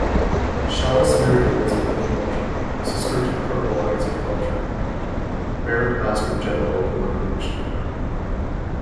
Shallus married Elizabeth Melchor, sister to Colonel Isaac Melcher, Barrack-Master-General of the Revolutionary Army.